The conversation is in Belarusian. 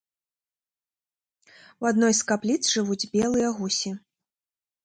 У адной з капліц жывуць белыя гусі.